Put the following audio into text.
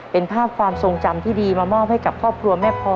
เป็นภาพความทรงจำที่ดีมามอบให้กับครอบครัวแม่พอ